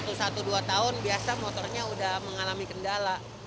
untuk satu dua tahun biasa motornya sudah mengalami kendala